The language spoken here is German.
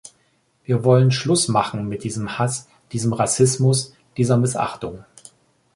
Wir wollen Schluss machen mit diesem Hass, diesem Rassismus, dieser Missachtung.